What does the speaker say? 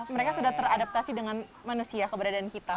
mereka sudah teradaptasi dengan manusia keberadaan kita